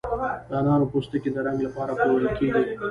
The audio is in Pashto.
د انارو پوستکي د رنګ لپاره پلورل کیږي؟